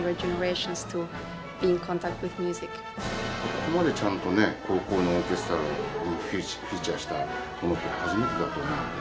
ここまでちゃんとね高校のオーケストラにフィーチャーしたものって初めてだと思うので。